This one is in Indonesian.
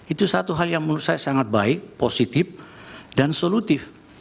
itu satu hal yang menurut saya sangat baik positif dan solutif